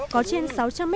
có trên sáu trăm linh m hai